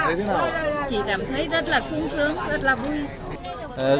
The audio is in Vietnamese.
tôi chỉ cảm thấy rất là phung sướng rất là vui